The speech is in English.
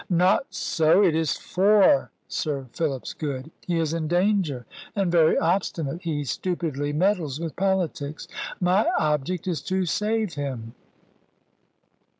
"Not so; it is for Sir Philip's good. He is in danger, and very obstinate. He stupidly meddles with politics. My object is to save him."